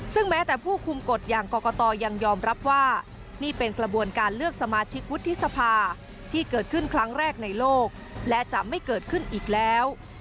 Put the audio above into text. ซึ่งแม้แต่ผู้คุมกฎอย่างกรกตยังยอมรับว่านี่เป็นกระบวนการเลือกสมาชิกวุฒิสภาที่เกิดขึ้นครั้งแรกในโลกและจะไม่เกิดขึ้นอีกแล้ว